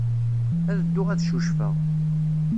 Ad dduɣ ad ccucfeɣ.